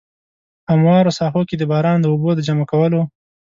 هموارو ساحو کې د باران د اوبو د جمع کولو.